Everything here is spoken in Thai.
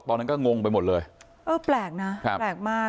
ตอนนั้นก็งงไปหมดเลยเออแปลกนะครับแปลกมาก